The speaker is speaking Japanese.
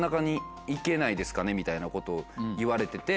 みたいなことを言われてて。